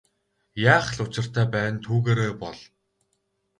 Яах л учиртай байна түүгээрээ бол.